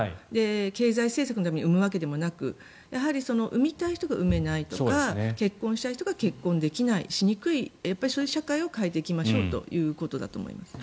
経済政策のために産むわけでもなくやはり産みたい人が産めないとか結婚したい人が結婚できないしにくいそういう社会を変えていきましょうということだと思います。